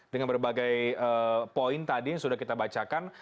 dengan berbagai poin tadi yang sudah kita bacakan